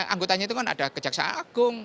anggotanya itu kan ada kejaksaan agung